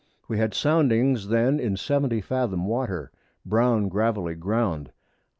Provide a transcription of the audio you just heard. We had Soundings then in 70 Fathom Water, brown gravelly Ground.